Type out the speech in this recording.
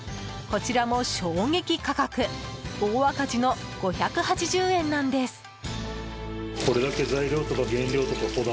こちらも衝撃価格大赤字の５８０円なんです。